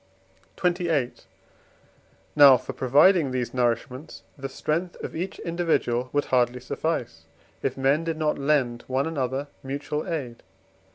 XXVIII. Now for providing these nourishments the strength of each individual would hardly suffice, if men did not lend one another mutual aid.